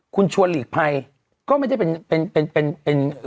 คุณชัวร์หลีกภัยก็ไม่ได้เป็น